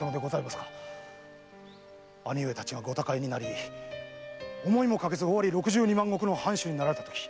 兄上たちがご他界になり思いもかけず尾張六十二万石の藩主になられたとき